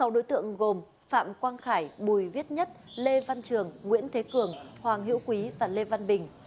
sáu đối tượng gồm phạm quang khải bùi viết nhất lê văn trường nguyễn thế cường hoàng hữu quý và lê văn bình